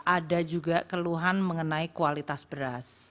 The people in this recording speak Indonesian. ada juga keluhan mengenai kualitas beras